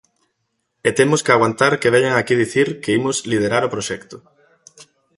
E temos que aguantar que veñan aquí dicir que imos liderar o proxecto.